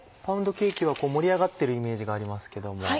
パウンドケーキは盛り上がってるイメージがありますけども。